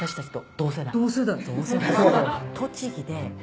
同世代。